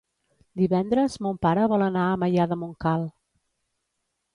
Divendres mon pare vol anar a Maià de Montcal.